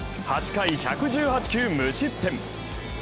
８回１１８球無失点。